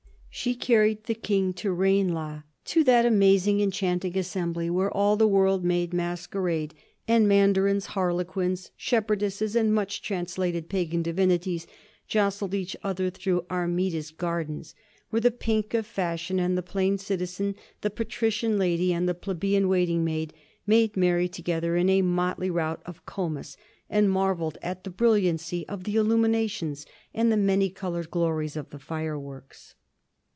She carried the King to Ranelagh, to that amazing, enchanting assembly where all the world made masquerade, and mandarins, harlequins, shepherdesses, and much translated pagan divinities jostled each other through Armida's gardens, where the pink of fashion and the plain citizen, the patrician lady and the plebeian waiting maid made merry together in a motley rout of Comus, and marvelled at the brilliancy of the illuminations and the many colored glories of the fireworks.